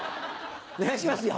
お願いしますよ